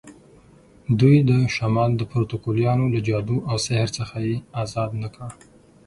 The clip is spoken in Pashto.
دوی د شمال د پروتوکولیانو له جادو او سحر څخه یې آزاد نه کړ.